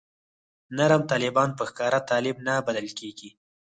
نرم طالبان په ښکاره طالب نه بلل کېږي.